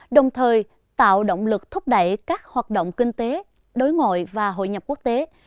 đồng thời tạo động lực thúc đẩy các hoạt động kinh tế đối ngội và hội nhập quốc tế